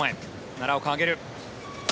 奈良岡、上げる。